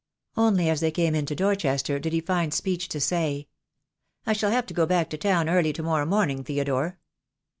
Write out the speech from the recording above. Only as they came into Dorchester did he find speech to say, — "I shall have to go back to town early to morrow morning, Theodore